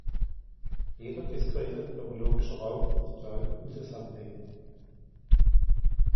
Jeder diskrete topologische Raum ist total unzusammenhängend.